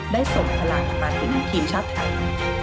ได้ส่งพลังมาเป็นทีมชาติไทย